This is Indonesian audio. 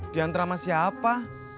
di antara mas siapa